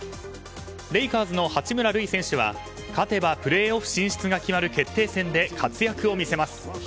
レイカーズの八村塁選手は勝てばプレーオフ進出が決まる決定戦で活躍を見せます。